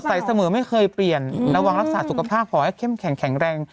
เสมอไม่เคยเปลี่ยนระวังรักษาสุขภาพขอให้เข้มแข็งแรง